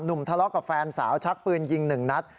ทะเลาะกับแฟนสาวชักปืนยิงหนึ่งนัด